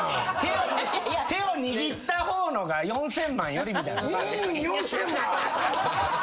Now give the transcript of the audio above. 手を握った方のが４，０００万より。